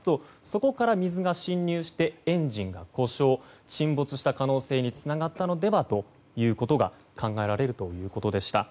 そこから水が侵入してエンジンが故障沈没した可能性につながったのではということが考えられるということでした。